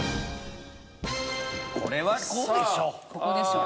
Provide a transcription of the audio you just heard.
これはこうでしょ。